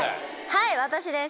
はい私です。